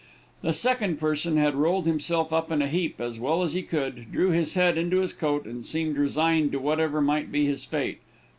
The second person had rolled himself up in a heap as well as he could, drew his head into his coat, and seemed resigned to whatever might be his fate.